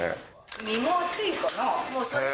身も厚いかな。